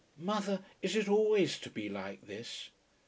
"Mother, is it always to be like this?"